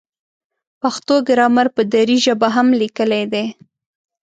پښتو ګرامر په دري ژبه هم لیکلی دی.